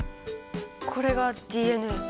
これがＤＮＡ？